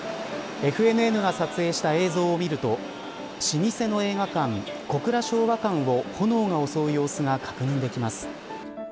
ＦＮＮが撮影した映像を見ると老舗の映画館小倉昭和館を炎が襲う様子が確認できます。